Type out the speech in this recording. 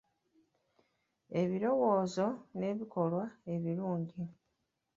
Ebirowoozo n’ebikolwa ebilungi